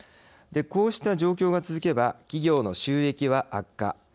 こうした状況が続けば企業の収益は悪化。